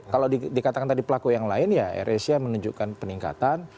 kalau dikatakan tadi pelaku yang lain ya air asia menunjukkan peningkatan